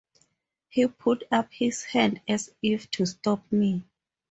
He put up his hand as if to stop me.